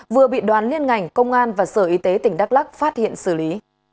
vừa bị đoàn liên ngành công an và sở y tế tỉnh đắk lắc phát hiện xử lý